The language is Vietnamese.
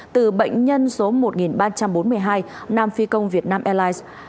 từ bệnh nhân số một ba trăm bốn mươi hai nam phi công việt nam airlines